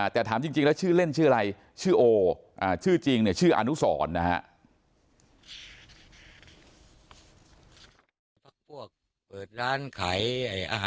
แต่ถามจริงแล้วชื่อเล่นชื่ออะไรชื่อโอชื่อจริงเนี่ยชื่ออนุสรนะฮะ